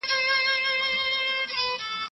د منځنۍ لارې خلګ په دې بحثونو کې ځای نه لري.